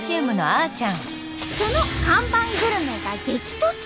その看板グルメが激突！